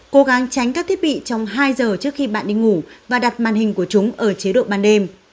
cố gắng tránh các thiết bị trong hai giờ trước khi bạn đi ngủ và đặt màn hình của chúng ở chế độ ban đêm